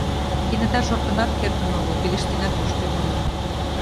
Кенета шортынат кертын огыл, пелештенат моштен огыл.